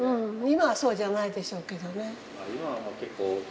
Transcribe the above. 今はそうじゃないでしょうけどね。